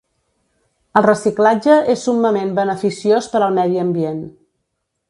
El reciclatge és summament beneficiós per al medi ambient.